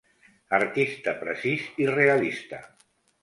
Artista precís i realista.